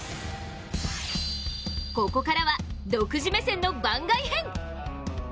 ここからは独自目線の番外編。